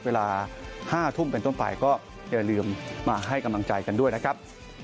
เวลา๕ทุ่มเป็นต้นไปก็อย่าลืมมาให้กำลังใจกันด้วยนะครับ